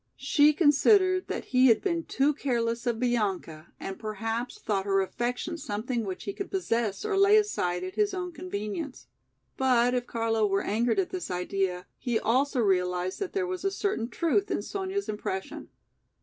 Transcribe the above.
She considered that he had been too careless of Bianca and perhaps thought her affection something which he could possess or lay aside at his own convenience. But if Carlo were angered at this idea, he also realized that there was a certain truth in Sonya's impression.